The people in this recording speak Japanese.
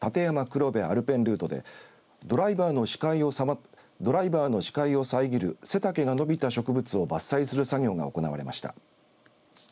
黒部アルペンルートでドライバーの視界を遮る背丈が伸びた植物を伐採する作業が行われました。